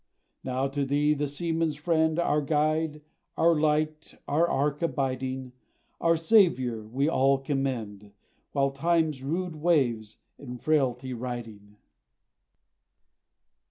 Now, to Thee, the seaman's Friend, Our guide our light our ark abiding, Our Saviour, we our all commend, While time's rude waves in frailty riding.